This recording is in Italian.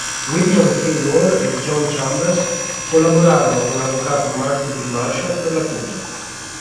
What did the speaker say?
William K. Wall e John Chambers collaborarono con l'avvocato Martin P. Marshall per l'accusa.